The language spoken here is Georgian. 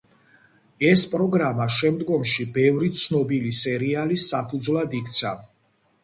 ეს პროგრამა შემდგომში ბევრი ცნობილი სერიალის საფუძვლად იქცა.